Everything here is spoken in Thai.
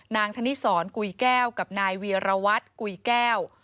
ธนิสรกุยแก้วกับนายเวียรวัตรกุยแก้ว